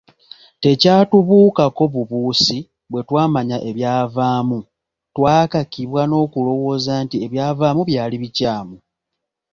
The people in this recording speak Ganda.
Tekyatubuukako bubuusi bwe twamanya ebyavaamu, twakakibwa n’okulowooza nti ebyavaamu byali bikyamu.